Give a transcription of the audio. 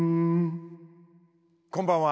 こんばんは。